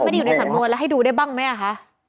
ไม่ได้อยู่ในสำนวนแล้วให้ดูได้บ้างไหม